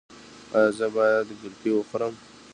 ایا زه باید ګلپي وخورم؟